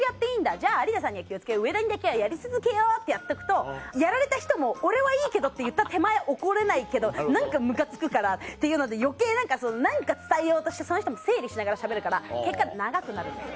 じゃあ有田さんには気を付けよう上田にだけはやり続けよう」ってやっとくとやられた人も「俺はいいけど」って言った手前怒れないけど何かムカつくからっていうので余計何か伝えようとしてその人整理しながらしゃべるから結果長くなるんです。